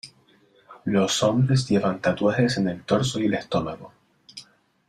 Los hombre llevan tatuajes en el torso y el estómago.